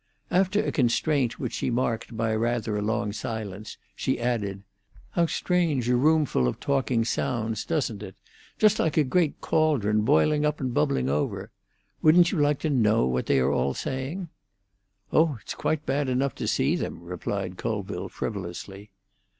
After a constraint which she marked by rather a long silence, she added, "How strange a roomful of talking sounds, doesn't it? Just like a great caldron boiling up and bubbling over. Wouldn't you like to know what they're all saying?" "Oh, it's quite bad enough to see them," replied Colville frivolously.